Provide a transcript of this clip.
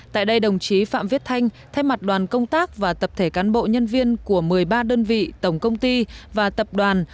tại đây đồng chí phạm viết thanh thay mặt đoàn công tác và tập thể cán bộ nhân viên của một mươi ba đơn vị tổng công ty và tập đoàn